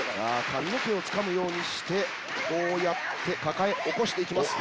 髪の毛をつかむようにしてこうやって抱え起こして行きます。